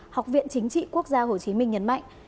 học viện chính trị quốc gia hồ chí minh nhấn mạnh